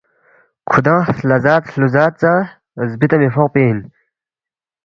کھُودانگ ہلا ذات ہلُو ذات ژا زبِدے مِہ فوقپی اِن